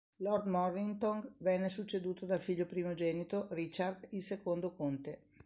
Lord Mornington venne succeduto dal figlio primogenito, Richard, il secondo conte.